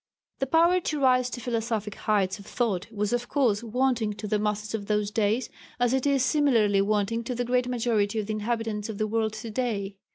The power to rise to philosophic heights of thought was of course wanting to the masses of those days, as it is similarly wanting to the great majority of the inhabitants of the world to day.